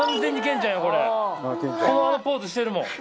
このポーズしてるもん。